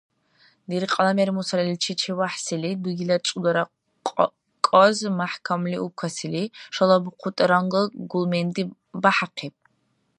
Диркьала мер-мусаличи, ЧевяхӀсили дугила цӀудара кӀаз мяхӀкамли убкасили, шала-бухъутӀа рангла гулменди бяхӀяхъиб.